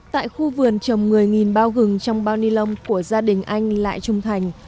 tại khu vườn trồng người nghìn bao gừng trong bao ni lông của gia đình anh lại trung thành